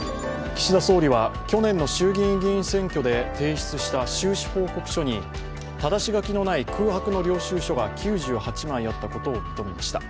岸田総理は、去年の衆議院議員選挙で提出した収支報告書にただし書きのない空白の領収書が９８枚あったことを認めました。